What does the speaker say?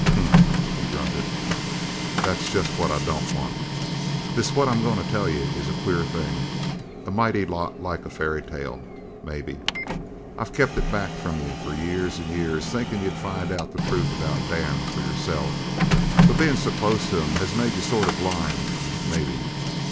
"Humph!" he grunted, "that's just what I don't want. This what I'm goin' to tell you is a queer thing a mighty lot like a fairy tale, maybe. I've kept it back from you years an' years thinkin' you'd find out the truth about Dan for yourself. But bein' so close to him has made you sort of blind, maybe!